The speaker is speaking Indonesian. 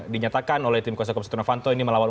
dinyatakan oleh tim kuasa hukum setia novanto ini melawan